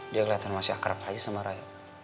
dia kelihatan masih akrab aja sama raya